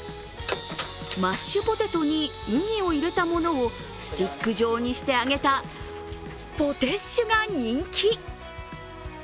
マッシュポテトに麦を入れたものをスティック状にして揚げたポテッシュが人気。